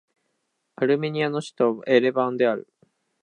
アルメニアの首都はエレバンである